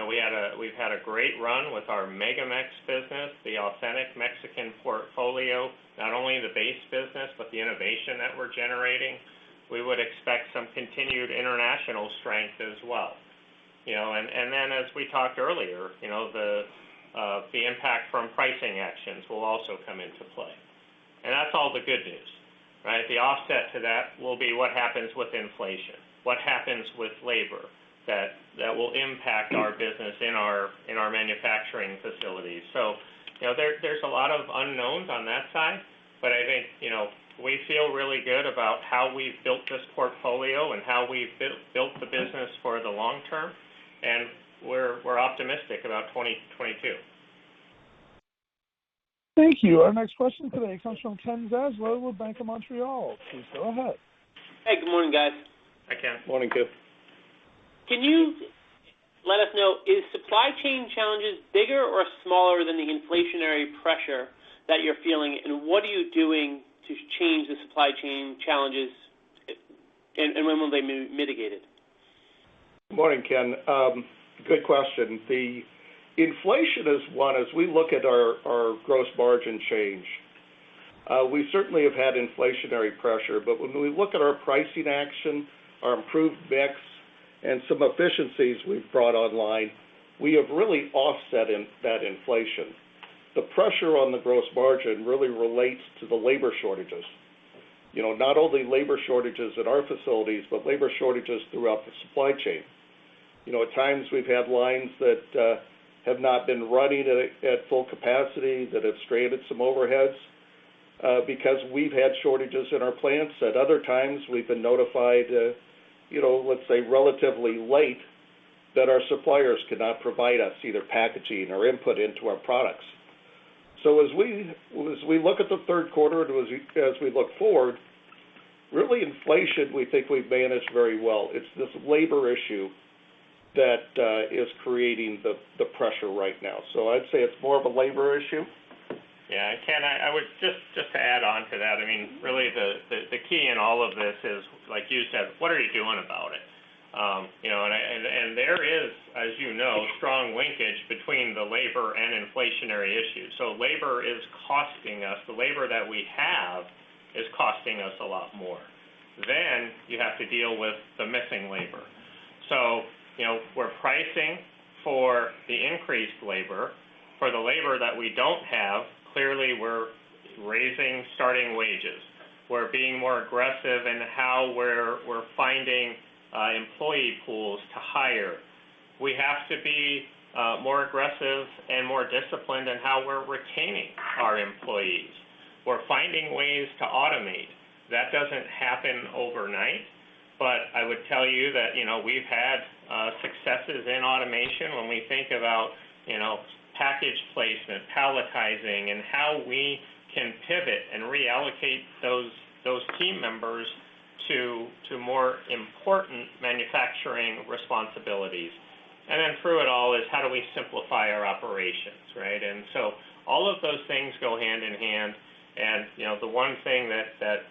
S3: and we've had a great run with our MegaMex business, the authentic Mexican portfolio, not only the base business, but the innovation that we're generating. We would expect some continued international strength as well. As we talked earlier, the impact from pricing actions will also come into play. That's all the good news, right? The offset to that will be what happens with inflation, what happens with labor that will impact our business in our manufacturing facilities. There's a lot of unknowns on that side. I think, we feel really good about how we've built this portfolio and how we've built the business for the long term, and we're optimistic about 2022.
S1: Thank you. Our next question today comes from Ken Zaslow with Bank of Montreal. Please go ahead.
S10: Hey, good morning, guys.
S3: Hi, Ken.
S4: Morning, Ken.
S10: Can you let us know, is supply chain challenges bigger or smaller than the inflationary pressure that you're feeling, and what are you doing to change the supply chain challenges, and when will they be mitigated?
S4: Morning, Ken. Good question. The inflation is one, as we look at our gross margin change, we certainly have had inflationary pressure. When we look at our pricing action, our improved mix, and some efficiencies we've brought online, we have really offset that inflation. The pressure on the gross margin really relates to the labor shortages. Not only labor shortages at our facilities, but labor shortages throughout the supply chain. At times, we've had lines that have not been running at full capacity that have strained some overheads, because we've had shortages in our plants. At other times, we've been notified, let's say, relatively late, that our suppliers cannot provide us either packaging or input into our products. As we look at the third quarter and as we look forward, really inflation, we think we've managed very well. It's this labor issue that is creating the pressure right now. I'd say it's more of a labor issue.
S3: Yeah. Ken, just to add on to that, really the key in all of this is, like you said, what are you doing about it? There is, as you know, strong linkage between the labor and inflationary issues. Labor is costing us. The labor that we have is costing us a lot more. You have to deal with the missing labor. We're pricing for the increased labor. For the labor that we don't have, clearly we're raising starting wages. We're being more aggressive in how we're finding employee pools to hire. We have to be more aggressive and more disciplined in how we're retaining our employees. We're finding ways to automate. That doesn't happen overnight, but I would tell you that we've had successes in automation when we think about package placement, palletizing, and how we can pivot and reallocate those team members to more important manufacturing responsibilities. Then through it all is how do we simplify our operations, right? So all of those things go hand in hand. The one thing that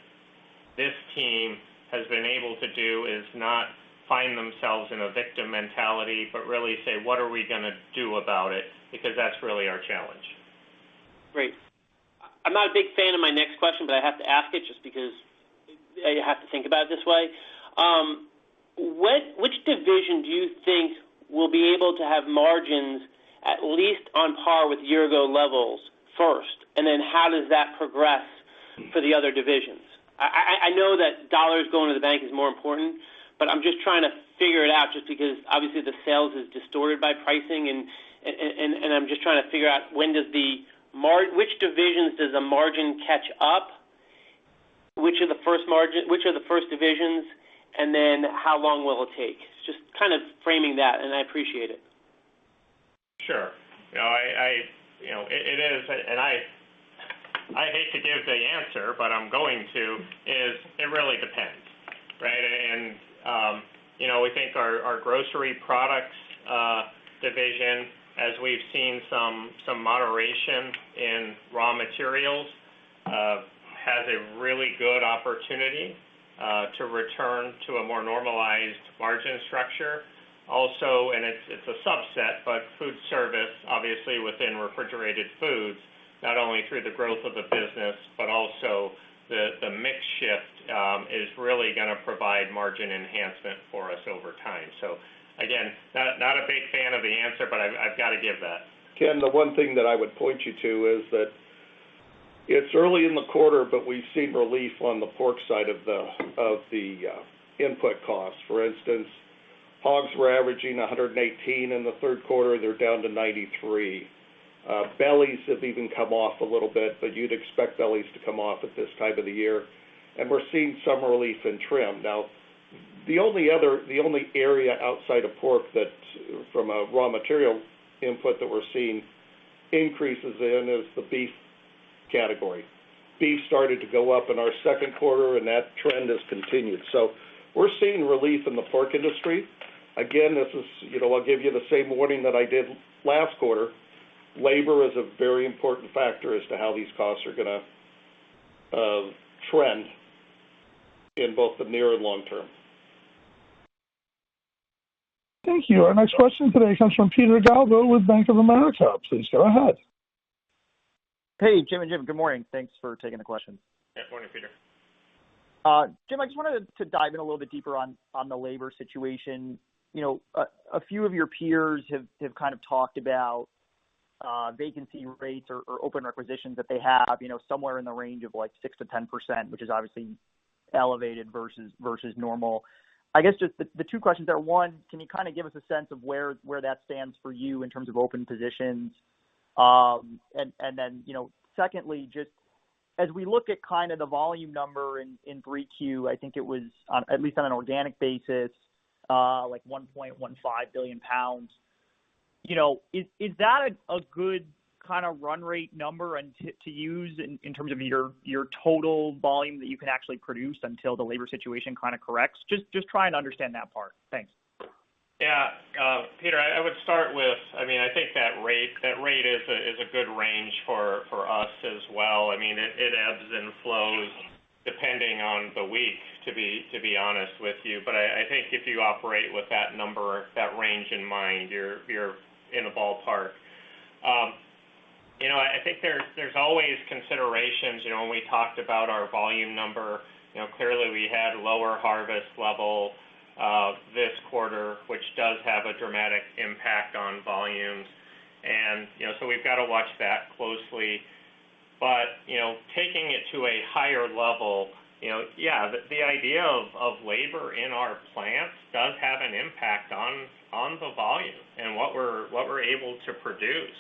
S3: this team has been able to do is not find themselves in a victim mentality, but really say, "What are we going to do about it?" Because that's really our challenge.
S10: Great. I'm not a big fan of my next question, I have to ask it just because you have to think about it this way. Which division do you think will be able to have margins at least on par with year-ago levels first? How does that progress for the other divisions? I know that dollars going to the bank is more important, I'm just trying to figure it out just because obviously the sales is distorted by pricing, I'm just trying to figure out which divisions does the margin catch up? Which are the first divisions? How long will it take? Just kind of framing that, I appreciate it.
S3: Sure. I hate to give the answer, but I'm going to, is it really depends, right? We think our Grocery Products Division, as we've seen some moderation in raw materials, has a really good opportunity to return to a more normalized margin structure. Also, and it's a subset, but Foodservice, obviously within Refrigerated Foods, not only through the growth of the business, but also the mix shift, is really going to provide margin enhancement for us over time. Again, not a big fan of the answer, but I've got to give that.
S4: Ken, the one thing that I would point you to is that it's early in the quarter, we've seen relief on the pork side of the input costs. For instance, hogs were averaging $118 in the third quarter, they're down to $93. Bellies have even come off a little bit, you'd expect bellies to come off at this time of the year. We're seeing some relief in trim. Now, the only area outside of pork that from a raw material input that we're seeing increases in is the beef category. Beef started to go up in our second quarter, that trend has continued. We're seeing relief in the pork industry. Again, I'll give you the same warning that I did last quarter. Labor is a very important factor as to how these costs are going to trend in both the near and long term.
S1: Thank you. Our next question today comes from Peter Galbo with Bank of America. Please go ahead.
S11: Hey, Jim and Jim, good morning. Thanks for taking the question.
S3: Yeah. Morning, Peter.
S11: Jim, I just wanted to dive in a little bit deeper on the labor situation. A few of your peers have kind of talked about vacancy rates or open requisitions that they have, somewhere in the range of 6%-10%, which is obviously elevated versus normal. I guess just the two questions are, one, can you give us a sense of where that stands for you in terms of open positions? Secondly, just as we look at the volume number in 3Q, I think it was, at least on an organic basis, like 1.15 billion pounds. Is that a good run rate number to use in terms of your total volume that you can actually produce until the labor situation corrects? Just trying to understand that part. Thanks.
S3: Yeah. Peter, I would start with, I think that rate is a good range for us as well. It ebbs and flows depending on the week, to be honest with you. I think if you operate with that number or that range in mind, you're in the ballpark. I think there's always considerations. When we talked about our volume number, clearly we had lower harvest level this quarter, which does have a dramatic impact on volumes. We've got to watch that closely. Taking it to a higher level, yeah, the idea of labor in our plants does have an impact on the volume and what we're able to produce.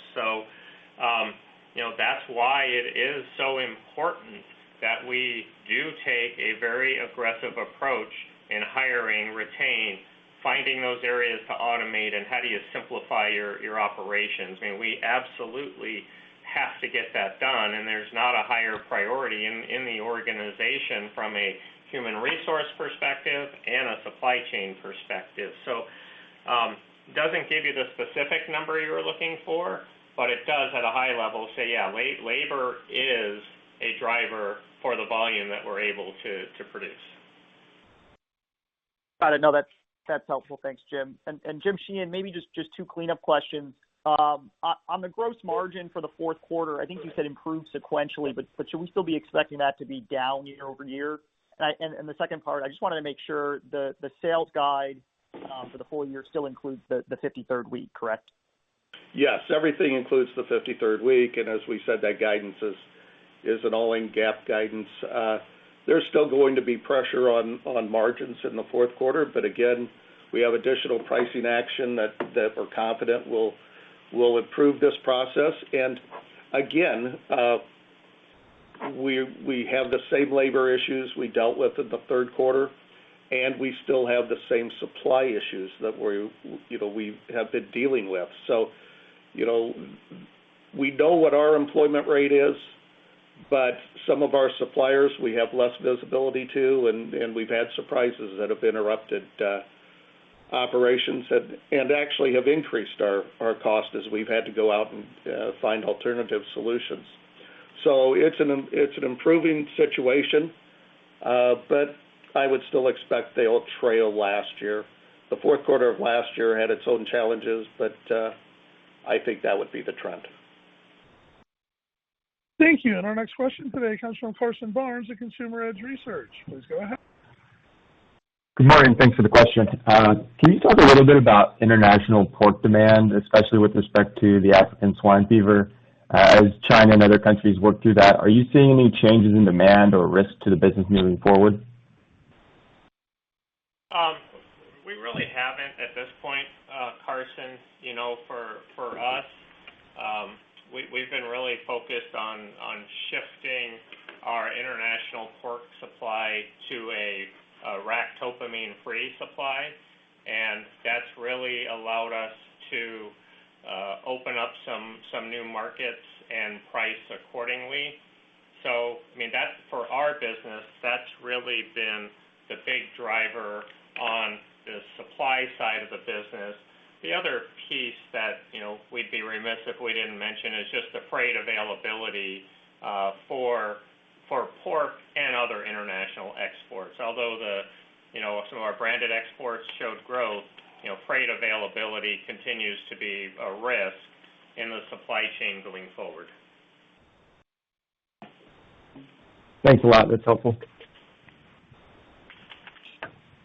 S3: That's why it is so important that we do take a very aggressive approach in hiring, retain, finding those areas to automate and how do you simplify your operations. We absolutely have to get that done, and there's not a higher priority in the organization from a human resource perspective and a supply chain perspective. Doesn't give you the specific number you're looking for, but it does at a high level say, yeah, labor is a driver for the volume that we're able to produce.
S11: Got it. No, that's helpful. Thanks, Jim. Jim Sheehan, maybe just two cleanup questions. On the gross margin for the fourth quarter, I think you said improved sequentially, but should we still be expecting that to be down year-over-year? The second part, I just wanted to make sure the sales guide for the full year still includes the 53rd week, correct?
S4: Yes. Everything includes the 53rd week. As we said, that guidance is an all-in GAAP guidance. There's still going to be pressure on margins in the fourth quarter, again, we have additional pricing action that we're confident will improve this process. Again, we have the same labor issues we dealt with in the third quarter, and we still have the same supply issues that we have been dealing with. We know what our employment rate is, but some of our suppliers, we have less visibility to, and we've had surprises that have interrupted operations and actually have increased our cost as we've had to go out and find alternative solutions. It's an improving situation, but I would still expect they'll trail last year. The fourth quarter of last year had its own challenges, but I think that would be the trend.
S1: Thank you. Our next question today comes from Carson Barnes at Consumer Edge Research. Please go ahead.
S12: Good morning. Thanks for the question. Can you talk a little bit about international pork demand, especially with respect to the African swine fever? As China and other countries work through that, are you seeing any changes in demand or risk to the business moving forward?
S3: We really haven't at this point, Carson. For us, we've been really focused on shifting our international pork supply to a ractopamine-free supply, that's really allowed us to open up some new markets and price accordingly. For our business, that's really been the big driver on the supply side of the business. The other piece that we'd be remiss if we didn't mention is just the freight availability for pork and other international exports. Although some of our branded exports showed growth, freight availability continues to be a risk in the supply chain going forward.
S12: Thanks a lot. That is helpful.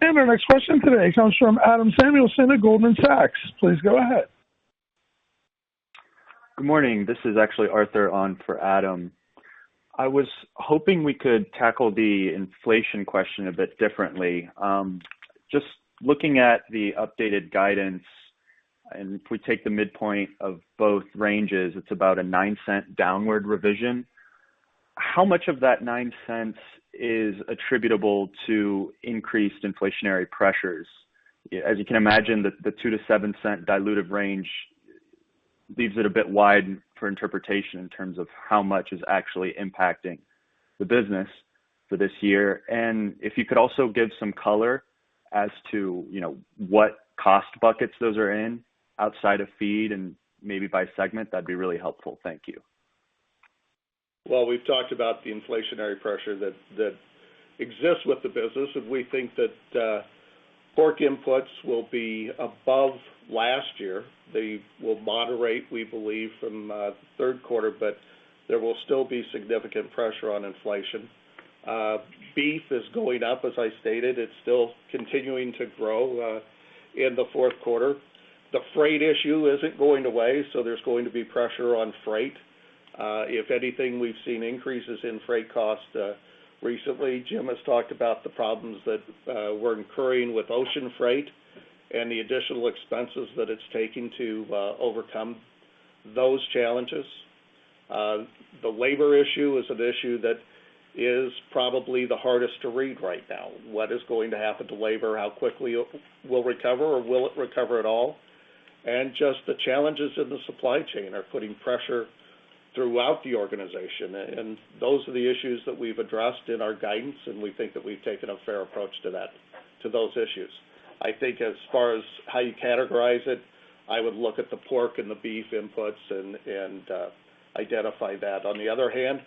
S1: Our next question today comes from Adam Samuelson at Goldman Sachs. Please go ahead.
S13: Good morning. This is actually Arthur on for Adam. I was hoping we could tackle the inflation question a bit differently. Just looking at the updated guidance, if we take the midpoint of both ranges, it's about a $0.09 downward revision. How much of that $0.09 is attributable to increased inflationary pressures? As you can imagine, the $0.02-$0.07 dilutive range leaves it a bit wide for interpretation in terms of how much is actually impacting the business for this year. If you could also give some color as to what cost buckets those are in outside of feed and maybe by segment, that'd be really helpful. Thank you.
S4: Well, we've talked about the inflationary pressure that exists with the business, and we think that pork inputs will be above last year. They will moderate, we believe, from third quarter, but there will still be significant pressure on inflation. Beef is going up, as I stated. It's still continuing to grow in the fourth quarter. The freight issue isn't going away, so there's going to be pressure on freight. If anything, we've seen increases in freight costs recently. Jim has talked about the problems that we're incurring with ocean freight and the additional expenses that it's taking to overcome those challenges. The labor issue is an issue that is probably the hardest to read right now. What is going to happen to labor? How quickly will it recover, or will it recover at all? Just the challenges in the supply chain are putting pressure throughout the organization. Those are the issues that we've addressed in our guidance, and we think that we've taken a fair approach to those issues. I think as far as how you categorize it, I would look at the pork and the beef inputs and identify that. On the other hand,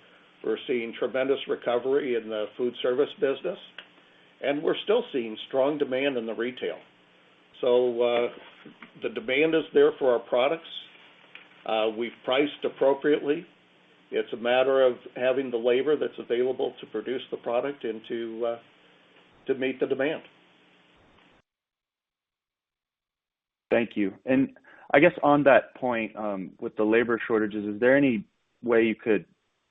S4: we're seeing tremendous recovery in the foodservice business, and we're still seeing strong demand in the retail. The demand is there for our products. We've priced appropriately. It's a matter of having the labor that's available to produce the product and to meet the demand.
S13: Thank you. I guess on that point, with the labor shortages, is there any way you could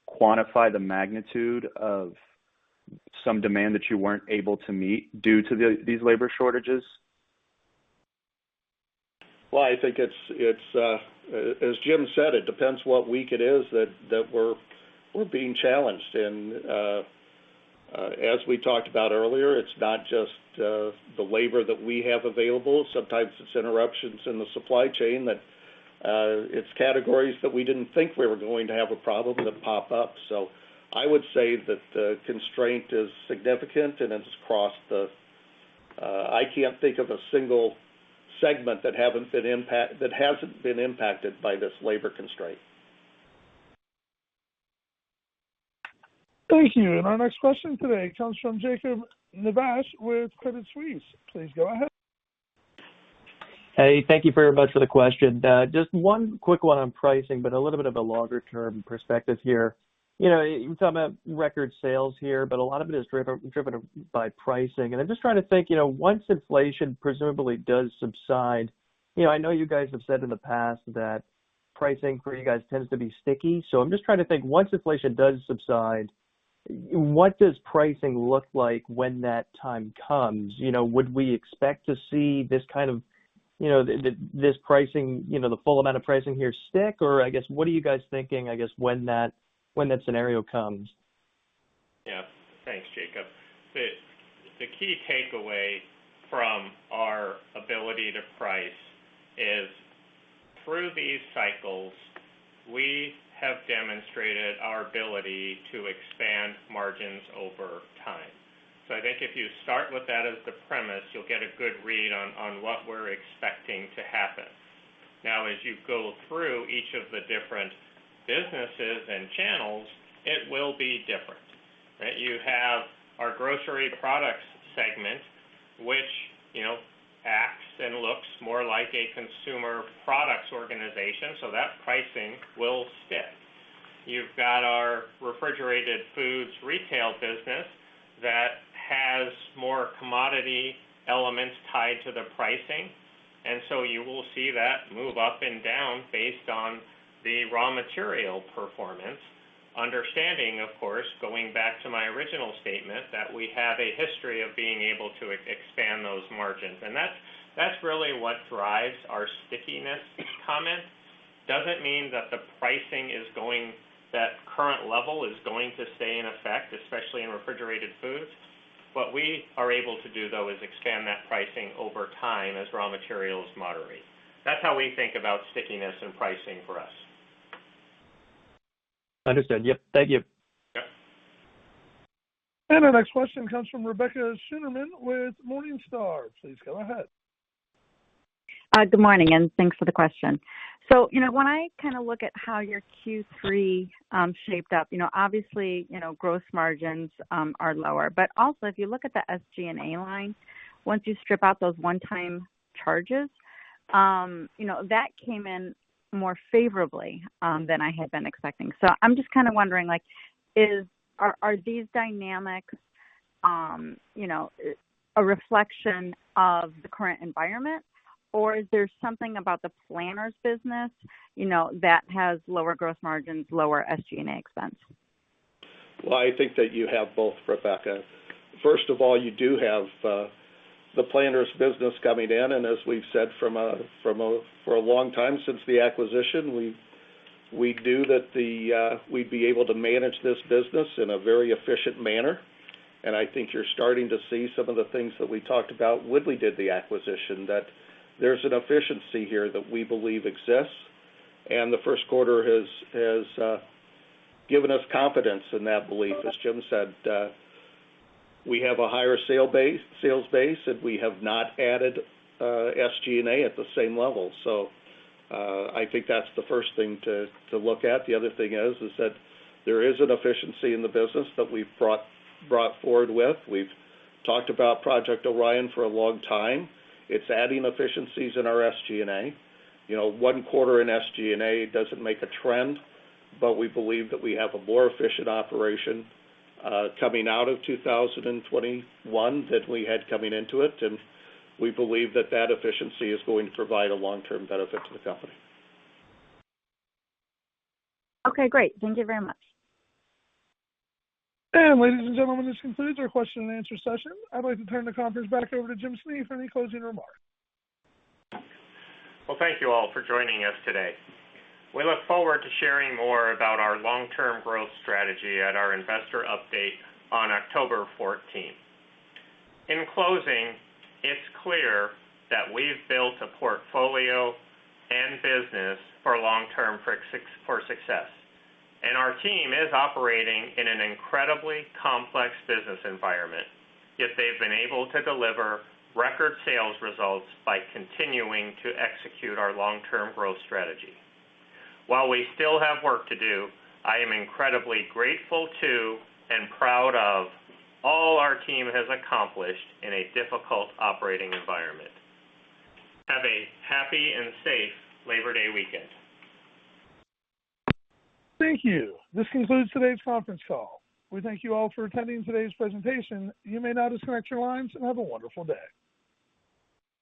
S13: quantify the magnitude of some demand that you weren't able to meet due to these labor shortages?
S4: Well, I think, as Jim said, it depends what week it is that we're being challenged in. As we talked about earlier, it's not just the labor that we have available. Sometimes it's interruptions in the supply chain, that it's categories that we didn't think we were going to have a problem that pop up. I would say that the constraint is significant. I can't think of a single segment that hasn't been impacted by this labor constraint.
S1: Thank you. Our next question today comes from Jacob Nivasch with Credit Suisse. Please go ahead.
S14: Hey, thank you very much for the question. Just one quick one on pricing, a little bit of a longer-term perspective here. You're talking about record sales here, a lot of it is driven by pricing. I'm just trying to think, once inflation presumably does subside, I know you guys have said in the past that pricing for you guys tends to be sticky. I'm just trying to think, once inflation does subside, what does pricing look like when that time comes? Would we expect to see the full amount of pricing here stick, or I guess, what are you guys thinking, I guess, when that scenario comes?
S3: Yeah. Thanks, Jacob. The key takeaway from our ability to price is, through these cycles, we have demonstrated our ability to expand margins over time. I think if you start with that as the premise, you'll get a good read on what we're expecting to happen. As you go through each of the different businesses and channels, it will be different, right? You have our grocery products segment, which acts and looks more like a consumer products organization, so that pricing will stick. You've got our refrigerated foods retail business that has more commodity elements tied to the pricing, and so you will see that move up and down based on the raw material performance. Understanding, of course, going back to my original statement, that we have a history of being able to expand those margins. That's really what drives our stickiness comment. Doesn't mean that the pricing, that current level is going to stay in effect, especially in refrigerated foods. What we are able to do, though, is expand that pricing over time as raw materials moderate. That's how we think about stickiness and pricing for us.
S14: Understood. Yep. Thank you.
S3: Yep.
S1: Our next question comes from Rebecca Scheuneman with Morningstar. Please go ahead.
S15: Good morning, thanks for the question. When I look at how your Q3 shaped up, obviously, gross margins are lower. Also, if you look at the SG&A line, once you strip out those one-time charges, that came in more favorably than I had been expecting. I'm just kind of wondering, are these dynamics a reflection of the current environment, or is there something about the Planters business that has lower gross margins, lower SG&A expense?
S4: I think that you have both, Rebecca. First of all, you do have the Planters business coming in, and as we've said for a long time since the acquisition, we knew that we'd be able to manage this business in a very efficient manner. I think you're starting to see some of the things that we talked about when we did the acquisition, that there's an efficiency here that we believe exists. The first quarter has given us confidence in that belief. As Jim said, we have a higher sales base, and we have not added SG&A at the same level. I think that's the first thing to look at. The other thing is that there is an efficiency in the business that we've brought forward with. We've talked about Project Orion for a long time. It's adding efficiencies in our SG&A. One quarter in SG&A doesn't make a trend. We believe that we have a more efficient operation coming out of 2021 than we had coming into it. We believe that that efficiency is going to provide a long-term benefit to the company.
S15: Okay, great. Thank you very much.
S1: Ladies and gentlemen, this concludes our question and answer session. I'd like to turn the conference back over to Jim Snee for any closing remarks.
S3: Well, thank you all for joining us today. We look forward to sharing more about our long-term growth strategy at our investor update on October 14th. In closing, it's clear that we've built a portfolio and business for long-term for success, and our team is operating in an incredibly complex business environment, yet they've been able to deliver record sales results by continuing to execute our long-term growth strategy. While we still have work to do, I am incredibly grateful to and proud of all our team has accomplished in a difficult operating environment. Have a happy and safe Labor Day weekend.
S1: Thank you. This concludes today's conference call. We thank you all for attending today's presentation. You may now disconnect your lines and have a wonderful day.